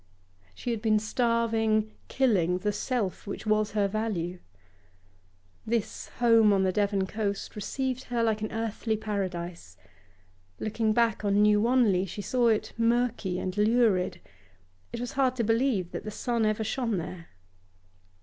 She had been starving, killing the self which was her value. This home on the Devon coast received her like an earthly paradise; looking back on New Wanley, she saw it murky and lurid; it was hard to believe that the sun ever shone there.